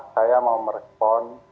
saya mau merespon